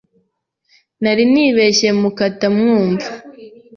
Wari wibeshye mukutamwumva.